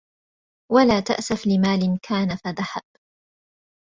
وَلَا تَأْسَفْ لِمَالٍ كَانَ فَذَهَبَ